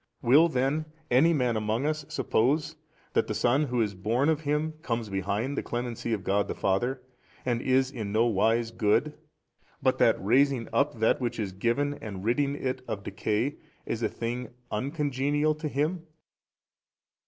will then any man among us suppose that the Son Who is born of Him comes behind the Clemency of God the Father and is in no wise good, but that raising up that which is given and ridding it of decay is a thing uncongenial to Him?